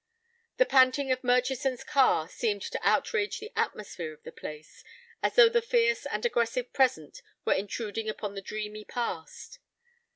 The panting of Murchison's car seemed to outrage the atmosphere of the place, as though the fierce and aggressive present were intruding upon the dreamy past.